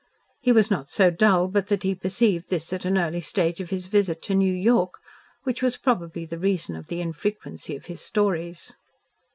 He was not so dull but that he perceived this at an early stage of his visit to New York, which was probably the reason of the infrequency of his stories.